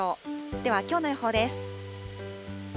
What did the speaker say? ではきょうの予報です。